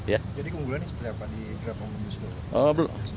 jadi keunggulan ini seperti apa di ruu omnibus law